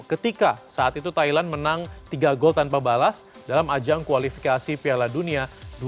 ketika saat itu thailand menang tiga gol tanpa balas dalam ajang kualifikasi piala dunia dua ribu dua puluh